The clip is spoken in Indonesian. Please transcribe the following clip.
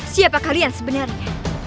siapa kalian sebenarnya